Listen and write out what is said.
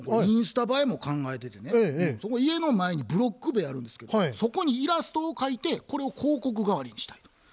インスタ映えも考えててね家の前にブロック塀あるんですけどそこにイラストを描いてこれを広告がわりにしたいと。